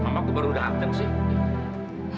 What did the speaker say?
mama kok baru udah antem sih